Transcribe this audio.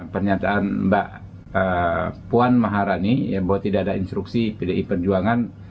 pernyataan mbak puan maharani bahwa tidak ada instruksi pdi perjuangan